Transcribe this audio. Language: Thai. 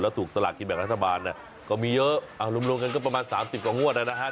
ถูกสลากกินแบ่งรัฐบาลก็มีเยอะรวมกันก็ประมาณ๓๐กว่างวดนะฮะ